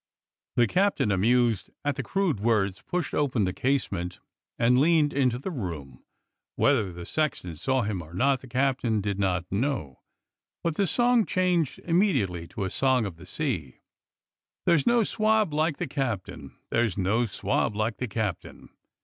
The captain, amused at the crude words, pushed open the casement and leaned into the room. Whether 172 COFFIN MAKER HAS A VISITOR 173 the sexton saw him or not the captain did not know, but the song changed immediately to a song of the sea: There*s no swab Hke the captain, There's no swab Hke the captain.